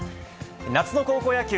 夏の高校野球。